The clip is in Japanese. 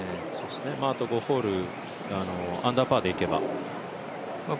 あと５ホール、アンダーパーでいけば。